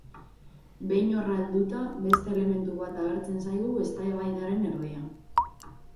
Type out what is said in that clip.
Behin horra helduta, beste elementu bat agertzen zaigu eztabaidaren erdian.